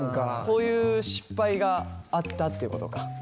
そういう失敗があったっていうことか？